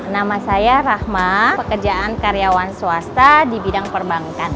nama saya rahma pekerjaan karyawan swasta di bidang perbankan